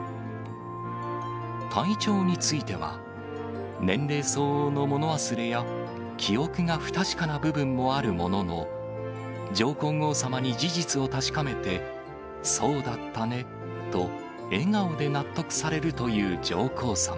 体調については、年齢相応の物忘れや、記憶が不確かな部分もあるものの、上皇后さまに事実を確かめて、そうだったねと笑顔で納得されるという上皇さま。